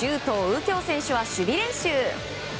京選手は守備練習。